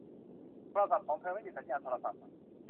โทรศัพท์ของเธอไม่มีสัญญาณโทรศัพท์